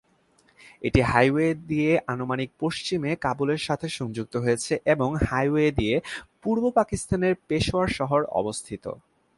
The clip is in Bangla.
এটি হাইওয়ে দিয়ে আনুমানিক পশ্চিমে কাবুলের সাথে সংযুক্ত হয়েছে এবং হাইওয়ে দিয়ে পূর্ব পাকিস্তানের পেশোয়ার শহর অবস্থিত।